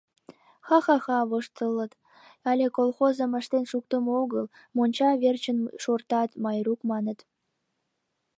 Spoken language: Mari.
— Ха-ха, — воштылыт, — але колхозым ыштен шуктымо огыл, монча верчын шортат, Майрук, — маныт